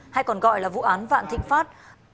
hay còn gọi là vụ án vạn thịnh pháp